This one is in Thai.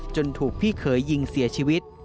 ถูกพี่เขยยิงเสียชีวิต